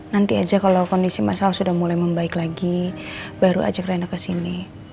nanti aja kalau kondisi masalah sudah mulai membaik lagi baru ajak rena kesini